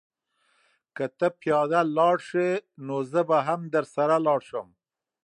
که ته پیاده لاړ شې نو زه به هم درسره لاړ شم.